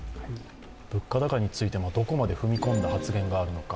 物価高についてもどこまで踏み込んだ発言があるのか。